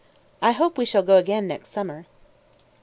I hope we shall go again next summer.